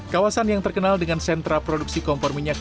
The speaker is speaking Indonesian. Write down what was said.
kawasan yang terkenal dengan sentra produksi kompor minyak